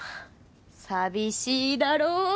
寂しいだろ？